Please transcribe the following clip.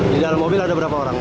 di dalam mobil ada berapa orang